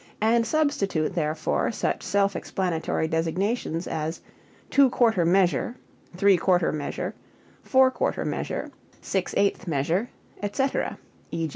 and substitute therefor such self explanatory designations as "two quarter measure," "three quarter measure," "four quarter measure," "six eighth measure," etc. _E.